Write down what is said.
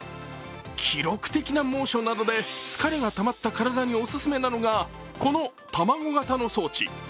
記録的な猛暑などで疲れがたまった体にオススメなのがこの卵形の装置。